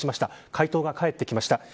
回答が返ってきました。